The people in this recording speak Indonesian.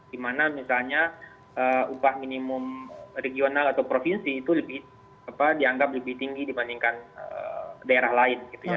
di mana misalnya upah minimum regional atau provinsi itu dianggap lebih tinggi dibandingkan daerah lain